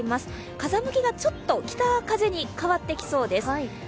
風向きがちょっと北風に変わってきそうです。